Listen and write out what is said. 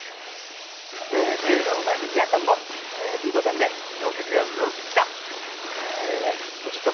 えっテレビの前の皆さんもｄボタンで合格か不合格かえっ